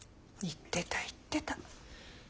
言ってた言ってた。